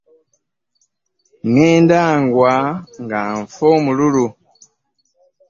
Ngenda ngwa nga nfa omululu.